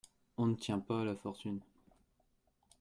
On ne tient pas à la fortune.